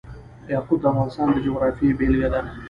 یاقوت د افغانستان د جغرافیې بېلګه ده.